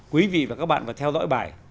quý vị và các bạn mà theo dõi bài